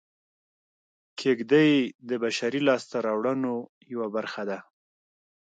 کېږدۍ د بشري لاسته راوړنو یوه برخه ده